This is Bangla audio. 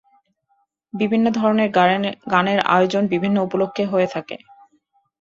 বিভিন্ন ধরনের গানের আয়োজন বিভিন্ন উপলক্ষ্যে হয়ে থাকে।